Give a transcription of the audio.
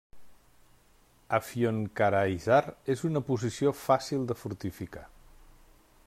Afyonkarahisar és una posició fàcil de fortificar.